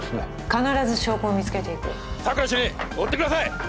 必ず証拠を見つけていく佐久良主任追ってください